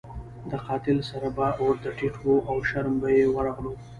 د قاتل سر به ورته ټیټ وو او شرم به یې ورغلو.